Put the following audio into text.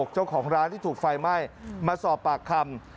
เจ้าของร้านที่ถูกไฟไหม้มาสอบปากคำ